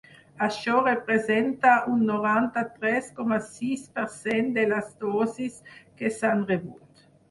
Això representa un noranta-tres coma sis per cent de les dosis que s’han rebut.